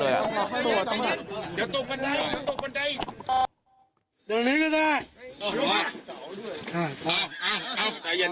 เดี๋ยวเดี๋ยวใจเย็นใจเย็นใจเย็น